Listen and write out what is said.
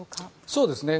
そうですね。